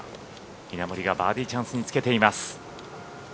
稲森がバーディーチャンスにつけています。